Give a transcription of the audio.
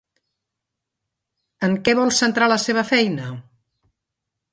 En què vol centrar la seva feina?